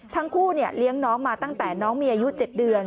ทั้งคู่เลี้ยงน้องมาตั้งแต่น้องมีอายุ๗เดือน